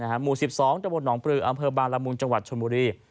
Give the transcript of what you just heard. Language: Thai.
นะฮะหมู่สิบสองจำบลหนองปลืออำเภอบาลมุงจังหวัดชนบุรี